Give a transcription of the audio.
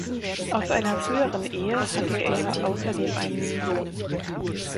Aus einer früheren Ehe hatte er außerdem einen Sohn.